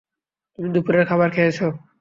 তুমি দুপুরের খাবার খেয়েছ?